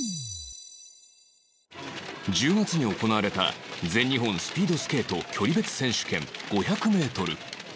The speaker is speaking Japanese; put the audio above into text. １０月に行われた全日本スピードスケート距離別選手権５００メートル